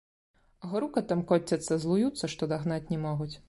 Грукатам коцяцца, злуюцца, што дагнаць не могуць.